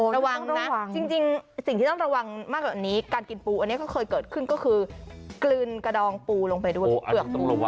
ระวังด้วยนะจริงสิ่งที่ต้องระวังมากกว่านี้การกินปูอันนี้ก็เคยเกิดขึ้นก็คือกลืนกระดองปูลงไปด้วยเปลือกปูรั้ว